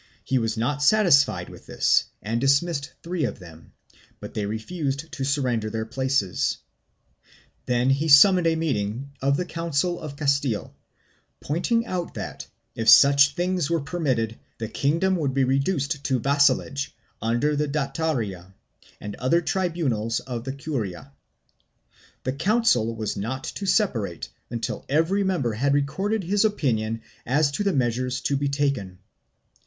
He was not satisfied with this and dismissed three of them, but they refused to surrender their places. Then he summoned a meeting of the Council of Castile, pointing out that, if such things were permitted, the kingdom would be reduced to vassalage under the Dataria and other tribunals of the curia; the Council was not to separate until every member had recorded his opinion as to the measures to be taken.